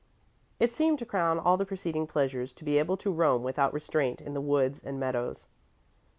It seemed to crown all the preceding pleasures to be able to roam without restraint in the woods and meadows.